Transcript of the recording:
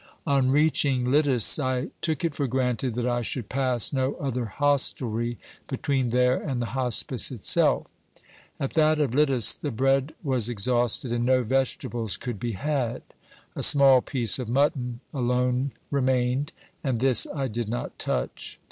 On reaching Liddes, I took it for granted that I should pass no other hostelry between there and the hospice itself. At that of Liddes the bread was exhausted and no vegetables could be had. A small piece of mutton alone remained, and this I did not touch.